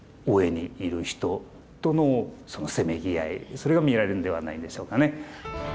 それが見られるんではないでしょうかね。